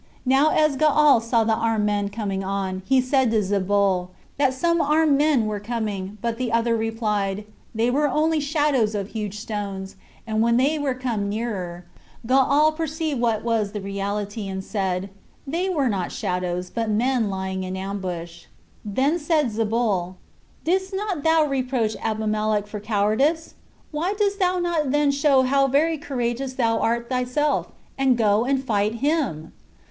Now as Gaal saw the armed men coming on, he said to Zebul, That some armed men were coming; but the other replied, They were only shadows of huge stones: and when they were come nearer, Gaal perceived what was the reality, and said, They were not shadows, but men lying in ambush. Then said Zebul, "Didst not thou reproach Abimelech for cowardice? why dost thou not then show how very courageous thou art thyself, and go and fight him?"